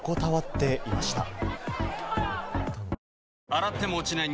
洗っても落ちない